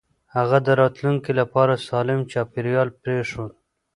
هغه د راتلونکي لپاره سالم چاپېريال پرېښود.